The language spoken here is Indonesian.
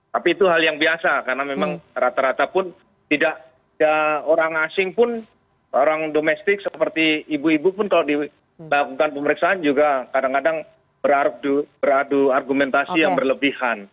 tapi itu hal yang biasa karena memang rata rata pun tidak orang asing pun orang domestik seperti ibu ibu pun kalau dilakukan pemeriksaan juga kadang kadang beradu argumentasi yang berlebihan